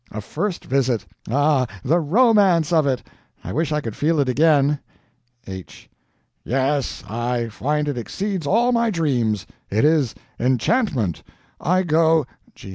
A first visit! ah, the romance of it! I wish I could feel it again. H. Yes, I find it exceeds all my dreams. It is enchantment. I go... G.